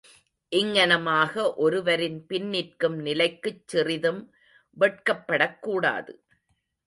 இங்ஙனமாக ஒருவரின் பின்னிற்கும் நிலைக்குச் சிறிதும் வெட்கப்படக் கூடாது.